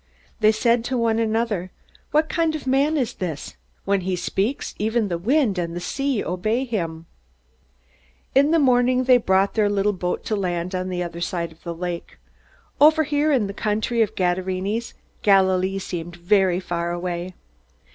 They said to one another: "What kind of man is this? When he speaks, even the wind and the sea obey him!" In the morning they brought their little boat to land on the other side of the lake. Over here in the country of the Gadarenes, Galilee seemed very far away.